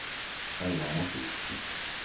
裁判をする